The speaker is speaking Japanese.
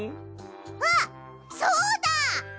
あっそうだ！